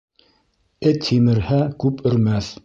Эт һимерһә, күп өрмәҫ.